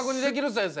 先生。